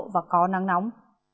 và có nắng nóng